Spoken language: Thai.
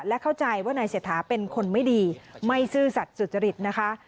และเข้าใจว่านายเศรษฐาเป็นคนไม่ดีไม่ซื่อสัตว์สุจริตนะคะ